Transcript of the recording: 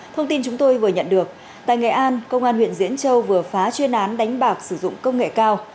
thông tin chúng tôi vừa nhận được tại nghệ an công an huyện diễn châu vừa phá chuyên án đánh bạc sử dụng công nghệ cao